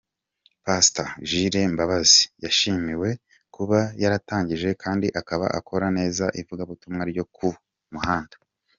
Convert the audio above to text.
Pastor Jules Mbabazi yashimiwe kuba yaratangije kandi akaba akora neza ivugabutumwa ryo ku muhanda.